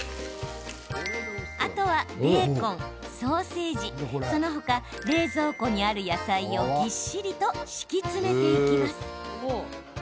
あとはベーコン、ソーセージその他、冷蔵庫にある野菜をぎっしりと敷き詰めていきます。